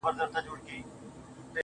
زما افغان ضمير له کاڼو جوړ گلي,